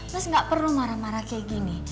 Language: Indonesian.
mas gak perlu marah marah kayak gini